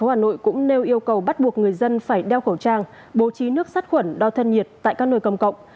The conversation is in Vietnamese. thành phố hà nội cũng nêu yêu cầu bắt buộc người dân phải đeo khẩu trang bố trí nước sát khuẩn đo thân nhiệt tại các nơi công cộng